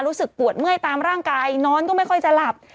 รู้สึกปวดเมื่อยตามร่างกายนอนก็ไม่ค่อยจะหลับ